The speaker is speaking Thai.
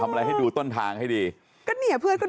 ไม่กลัวครับแต่เกรงใจอีกนิดหน่อยครับ